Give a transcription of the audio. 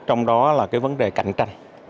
trong đó là cái vấn đề cạnh tranh